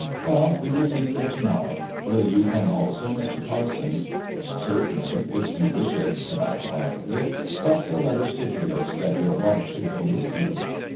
"Well, we will seek them to morrow — will you come also, Mr. Carso^ 'i^* "Certainly, if you wish it,*' said I quietly; "but the letter stipulates that your wife should go with you."